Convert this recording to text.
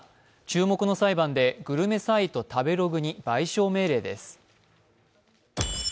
注目の裁判でグルメサイト、食べログに賠償命令です。